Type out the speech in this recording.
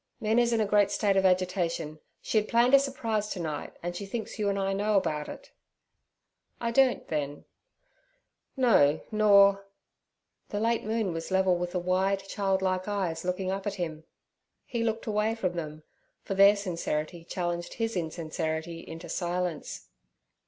'Mina's in a great state of agitation; she had planned a surprise to night, and she thinks you and I know about it.' 'I don't, then.' 'No, nor—' The late moon was level with the wide, child like eyes looking up at him. He looked away from them, for their sincerity challenged his insincerity into silence.